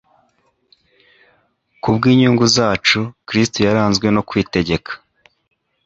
Kubw’inyungu zacu, Kristo yaranzwe no kwitegeka